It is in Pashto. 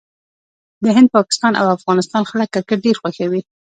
د هند، پاکستان او افغانستان خلک کرکټ ډېر خوښوي.